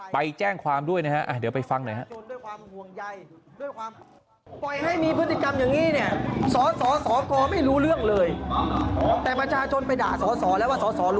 ไปแจ้งความด้วยนะฮะเดี๋ยวไปฟังหน่อยฮะ